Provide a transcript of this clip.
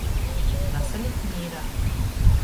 Nasalikt mīrā.